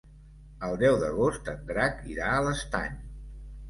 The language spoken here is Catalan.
El deu d'agost en Drac irà a l'Estany.